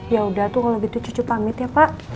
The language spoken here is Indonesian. yaudah tuh kalau gitu cucu pamit ya pak